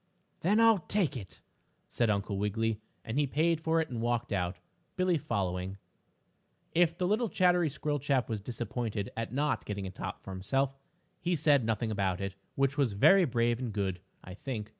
"Then I'll take it," said Uncle Wiggily, and he paid for it and walked out, Billie following. If the little chattery squirrel chap was disappointed at not getting a top for himself, he said nothing about it, which was very brave and good, I think.